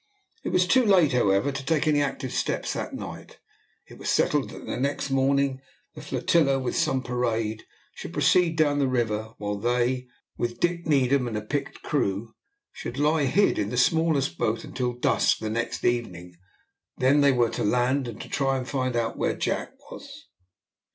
It was too late, however, to take any active steps that night. It was settled that the next morning the flotilla, with some parade, should proceed down the river, while they, with Dick Needham and a picked crew, should lie hid in the smallest boat till dusk the next evening; then they were to land and try and find out where Jack was.